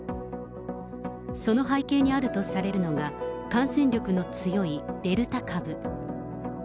その背景にあるとされるのが、感染力の強いデルタ株。